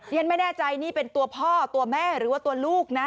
ฉันไม่แน่ใจนี่เป็นตัวพ่อตัวแม่หรือว่าตัวลูกนะ